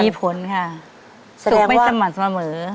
มีผลค่ะสุขไม่สม่ำเสมอ